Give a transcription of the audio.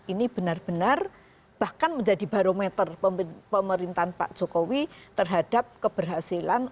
ini benar benar bahkan menjadi barometer pemerintahan pak jokowi terhadap keberhasilan